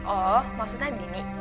oh maksudnya dini